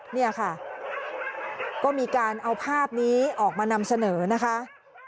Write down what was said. เนี่ยค่ะก็มีการเอาภาพนี้ออกมานำเสนอนะคะ